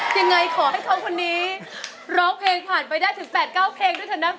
ยังไงขอให้เขาคนนี้ร้องเพลงผ่านไปได้ถึง๘๙เพลงด้วยเถอะนะ